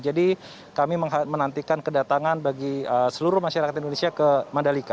jadi kami menantikan kedatangan bagi seluruh masyarakat indonesia ke mandalika